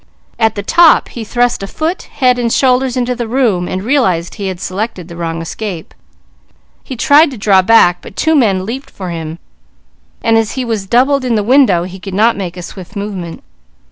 At the top he thrust a foot, head, and shoulders into the room and realized he had selected the wrong escape. He tried to draw back, but two men leaped for him, and as he was doubled in the window he could not make a swift movement.